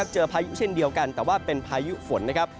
พายุเช่นเดียวกันแต่ว่าเป็นพายุฝนนะครับ